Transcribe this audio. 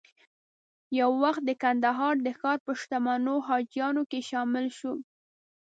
یو وخت د کندهار د ښار په شتمنو حاجیانو کې شامل شو.